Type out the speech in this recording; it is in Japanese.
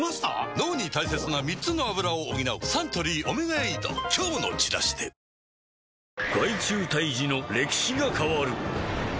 脳に大切な３つのアブラを補うサントリー「オメガエイド」今日のチラシで受けて立つおつもりですか？